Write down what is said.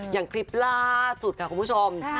อย่างคลิปล่าสุดค่ะคุณผู้ชม